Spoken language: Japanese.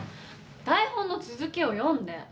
台本の続きを読んで。